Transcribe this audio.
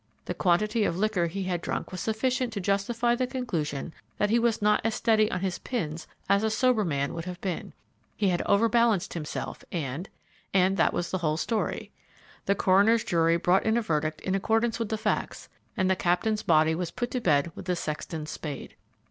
The quantity of liquor he had drunk was sufficient to justify the conclusion that he was not as steady on his pins as a sober man would have been. He had over balanced himself, and and that was the whole story. The coroner's jury brought in a verdict in accordance with the facts, and the Captain's body was put to bed with the sexton's spade.